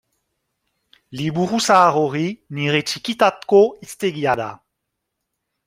Liburu zahar hori nire txikitako hiztegia da.